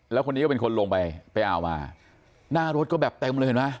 แล้วคนนี้ก็เป็นคนลงไปไปเอามาหน้ารถก็แบบเต็มเลยเห็นไหม